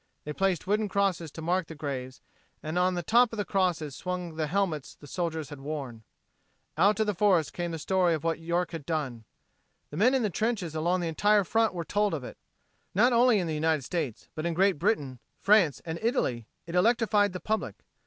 They placed wooden crosses to mark the graves and on the top of the crosses swung the helmets the soldiers had worn. Out from the forest came the story of what York had done. The men in the trenches along the entire front were told of it. Not only in the United States, but in Great Britain, France and Italy, it electrified the public.